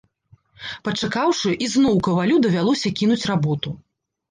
Пачакаўшы, ізноў кавалю давялося кінуць работу.